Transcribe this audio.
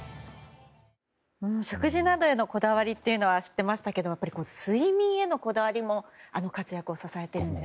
食事などへのこだわりは知っていましたけどやっぱり睡眠へのこだわりもあの活躍を支えているんですね。